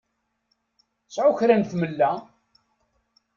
Sεu kra n tmella!